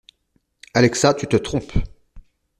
Alexa, tu te trompes.